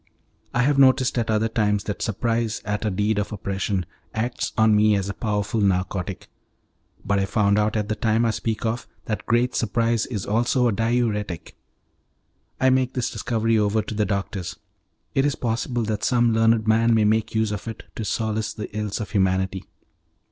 I have noticed at other times that surprise at a deed of oppression acts on me as a powerful narcotic, but I found out at the time I speak of that great surprise is also a diuretic. I make this discovery over to the doctors, it is possible that some learned man may make use of it to solace the ills of humanity.